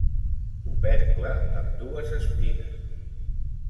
Opercle amb dues espines.